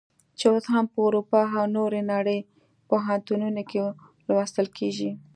چې اوس هم په اروپا او نورې نړۍ پوهنتونونو کې لوستل کیږي.